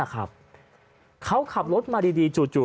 เขาขับรถมาดีจู่